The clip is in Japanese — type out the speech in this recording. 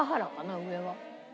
上は。